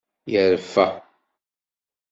Yerfa.